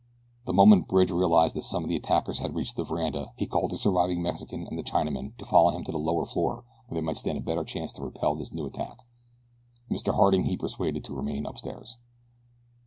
The moment Bridge realized that some of the attackers had reached the veranda he called the surviving Mexican and the Chinaman to follow him to the lower floor where they might stand a better chance to repel this new attack. Mr. Harding he persuaded to remain upstairs.